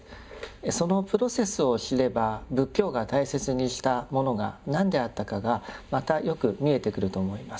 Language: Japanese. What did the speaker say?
そのプロセスを知れば仏教が大切にしたものが何であったかがまたよく見えてくると思います。